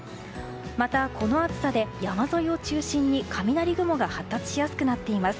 また、この暑さで山沿いを中心に雷雲が発達しやすくなっています。